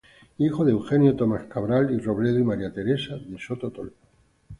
Hijo de Eugenio Tomás Cabral y Robledo y María Teresa de Soto Toledo.